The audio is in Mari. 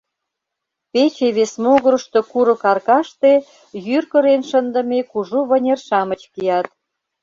Пече вес могырышто курык аркаште йӱр кырен шындыме кужу вынер-шамыч кият.